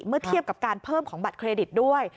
เทียบกับการเพิ่มของบัตรเครดิตด้วย